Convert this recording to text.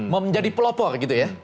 menjadi pelopor gitu ya